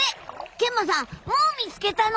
見満さんもう見つけたの？